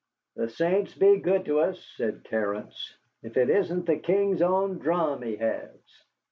"The saints be good to us," said Terence, "if it isn't the King's own drum he has."